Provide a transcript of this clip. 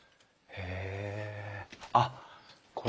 へえ。